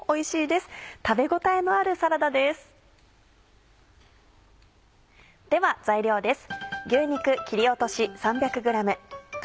では材料です。